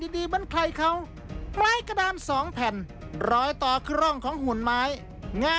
เล่นอะไรบ้างฮะ